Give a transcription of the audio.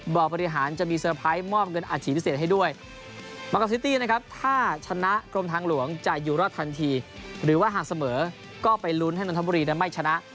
บ่อบริหารจะมีเตอร์ไพรส์มอบเงินอาชีพพิเศษให้ด้วยมากอกซิตี้นะครับถ้าชนะกรมทางหลวงจะอยู่รอดทันทีหรือว่าหากเสมอก็ไปลุ้นให้นนทบุรีนั้นไม่ชนะ